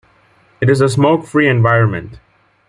It is a smoke-free environment.